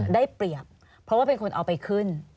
ได้เปรียบเพราะว่าเป็นคนเอาไปขึ้น